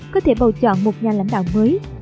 có thể bầu chọn một nhà lãnh đạo mới